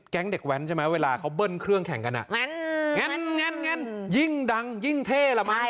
แก๊งเด็กแว้นใช่ไหมเวลาเขาเบิ้ลเครื่องแข่งกันอ่ะงั้นงั้นงั้นยิ่งดังยิ่งเท่าะมั้ง